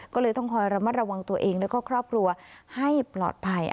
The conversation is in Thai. ก็เลยต้องคอยระมัดระวังตัวเองแล้วก็ครอบครัวให้ปลอดภัย